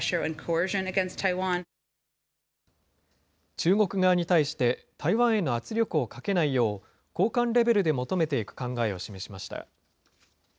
中国側に対して、台湾への圧力をかけないよう、高官レベルで求めていく考えを示しました。